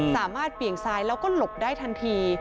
สามารถเปลี่ยงซ้ายแล้วก็หลบได้ทันที